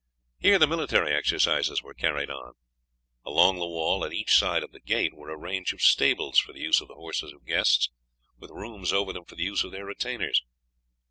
Here the military exercises were carried on. Along the wall, at each side of the gate, were a range of stables for the use of the horses of guests, with rooms over them for the use of their retainers.